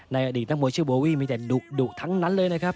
อดีตนักมวยชื่อโบวี่มีแต่ดุทั้งนั้นเลยนะครับ